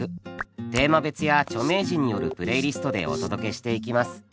テーマ別や著名人によるプレイリストでお届けしていきます。